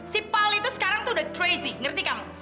si paul itu sekarang tuh udah crazy ngerti kamu